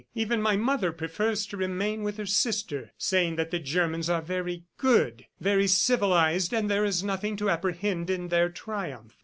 Even my mother prefers to remain with her sister, saying that the Germans are very good, very civilized and there is nothing to apprehend in their triumph."